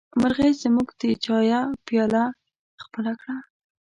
مرغۍ زموږ د چايه پياله خپله کړه.